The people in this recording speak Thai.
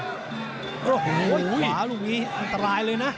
โอ้โหขวาลูกนี้อันตรายเลยนะ